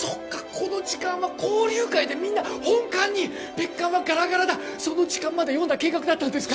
この時間は交流会でみんな本館に別館はガラガラだその時間まで読んだ計画だったんですか？